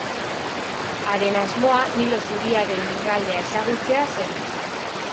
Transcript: Haren asmoa Nilo Zuriaren lurraldea ezagutzea zen.